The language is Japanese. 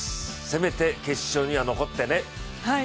せめて決勝には残ってね。